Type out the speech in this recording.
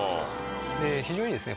非常にですね